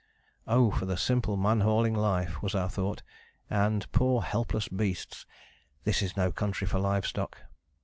"Oh for the simple man hauling life!" was our thought, and "poor helpless beasts this is no country for live stock."